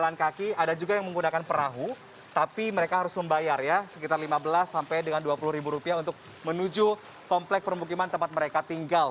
berjalan kaki ada juga yang menggunakan perahu tapi mereka harus membayar ya sekitar lima belas sampai dengan dua puluh ribu rupiah untuk menuju komplek permukiman tempat mereka tinggal